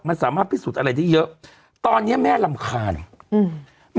มันสามารถพิสูจน์อะไรได้เยอะตอนเนี้ยแม่รำคาญอืม